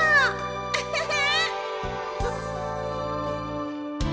ウフフ！